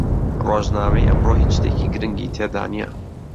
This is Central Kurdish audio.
ڕۆژنامەی ئەمڕۆ هیچ شتێکی گرنگی تێدا نییە.